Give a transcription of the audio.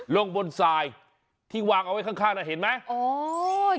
ลงบนสายที่วางเอาไว้ข้างน่ะเห็นไหมโอ้ย